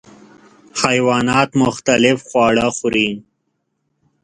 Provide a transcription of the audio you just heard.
حیوانات مختلف خواړه خوري.